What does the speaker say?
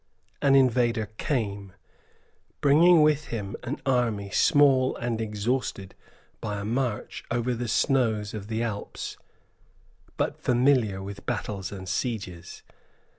An invader came, bringing with him an army small and exhausted by a march over the snows of the Alps, but familiar with battles and sieges.